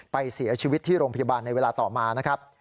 เสียชีวิตที่โรงพยาบาลในเวลาต่อมานะครับ